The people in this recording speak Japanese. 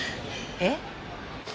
えっ？